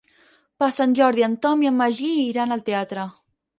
Per Sant Jordi en Tom i en Magí iran al teatre.